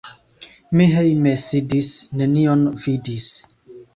Mi hejme sidis, nenion vidis.